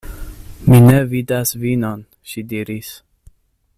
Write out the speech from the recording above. "Mi ne vidas vinon," ŝi diris.